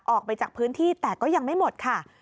ออกไปจากพื้นที่แต่ก็ยังไม่หมดค่ะ